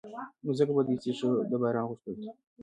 نو ځکه په دوی پسې شو د باران غوښتلو ته.